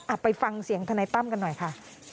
ไปฟังเสียงทนายตั้มกันหน่อยค่ะ